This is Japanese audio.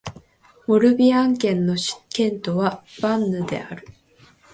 モルビアン県の県都はヴァンヌである